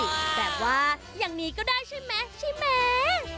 แบบว่าอย่างนี้ก็ได้ใช่ไหมใช่ไหม